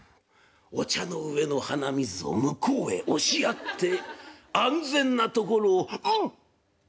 お茶の上の鼻水を向こうへ押しやって安全なところを「うん！ぶわっ」と戻した。